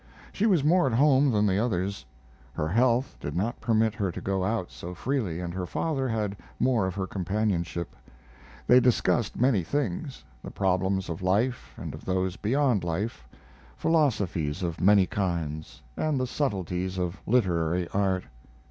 She was more at home than the others. Her health did not permit her to go out so freely and her father had more of her companionship. They discussed many things the problems of life and of those beyond life, philosophies of many kinds, and the subtleties of literary art.